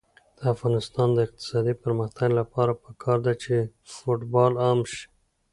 د افغانستان د اقتصادي پرمختګ لپاره پکار ده چې فوټبال عام شي.